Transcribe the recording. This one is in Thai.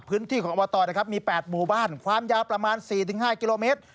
พื้นที่ของอบตนะครับมี๘หมู่บ้านความยาวประมาณ๔๕กิโลเมตร